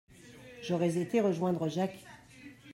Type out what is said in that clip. J'aurais été rejoindre Jacques.